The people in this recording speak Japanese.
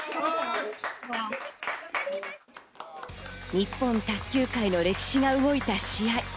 日本卓球界の歴史が動いた試合。